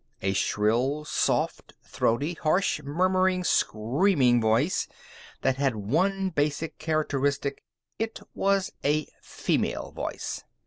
_ A shrill, soft, throaty, harsh, murmuring, screaming voice that had one basic characteristic. It was a female voice.